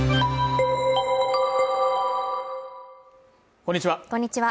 こんにちは